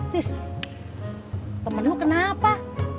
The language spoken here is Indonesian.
tis temen lu kenapa